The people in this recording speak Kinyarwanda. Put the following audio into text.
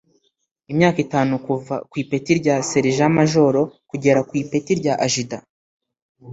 imyaka itanu kuva ku ipeti rya Serija Majoro kugera ku ipeti rya Ajida